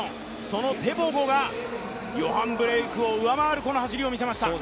そのテボゴがヨハン・ブレイクを上回るこの走りを見せました。